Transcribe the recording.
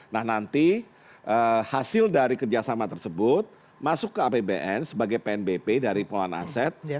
nah nanti hasil dari kerjasama tersebut masuk ke apbn sebagai pnbp dari pengelolaan aset